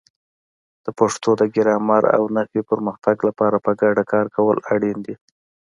د پښتو د ګرامر او نحوې پرمختګ لپاره په ګډه کار کول اړین دي.